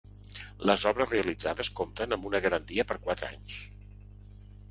Les obres realitzades compten amb una garantia per quatre anys.